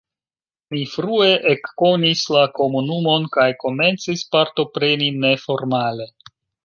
Mi frue ekkonis la komunumon kaj komencis partopreni neformale.